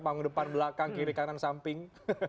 panggung depan belakang kiri kanan samping